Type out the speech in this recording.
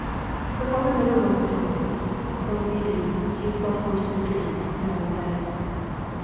But father never was a drunkard, though maybe, he's got worse for drink, now and then.